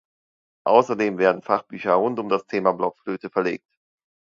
Außerdem werden Fachbücher rund um das Thema Blockflöte verlegt.